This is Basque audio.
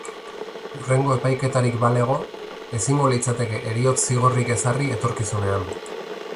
Hurrengo epaiketarik balego, ezingo litzateke heriotz zigorrik ezarri etorkizunean.